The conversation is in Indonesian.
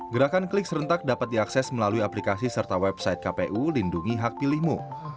gerakan klik serentak dapat diakses melalui aplikasi serta website kpu lindungi hak pilihmu